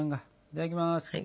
いただきます。